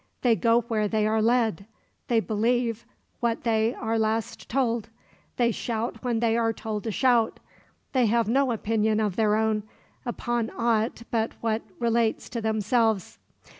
They go where they are led. They believe what they are last told. They shout when they are told to shout. They have no opinion of their own, upon aught but what relates to themselves.